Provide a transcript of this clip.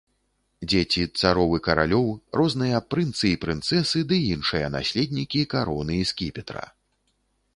Дзеці цароў і каралёў, розныя прынцы і прынцэсы ды іншыя наследнікі кароны і скіпетра.